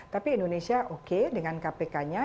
tapi indonesia oke dengan kpk nya